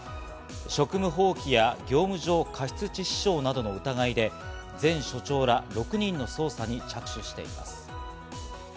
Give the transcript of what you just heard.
職務放棄や業務上過失致死傷などの疑いで前署長ら６人の捜査に着手しています。